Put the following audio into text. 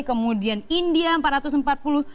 kemudian india empat ratus empat puluh miliar dolar